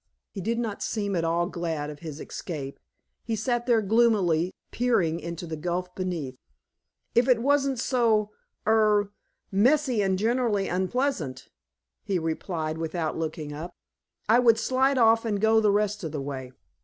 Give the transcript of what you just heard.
He did not seem at all glad of his escape. He sat there gloomily, peering into the gulf beneath. "If it wasn't so er messy and generally unpleasant," he replied without looking up, "I would slide off and go the rest of the way."